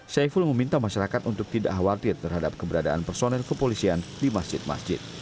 saiful meminta masyarakat untuk tidak khawatir terhadap keberadaan personel kepolisian di masjid masjid